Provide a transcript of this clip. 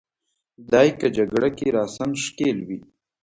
دای که جګړه کې راساً ښکېل وي.